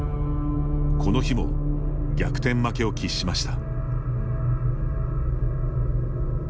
この日も逆転負けを喫しました。